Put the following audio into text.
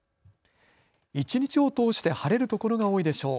一日を通して晴れるところが多いでしょう。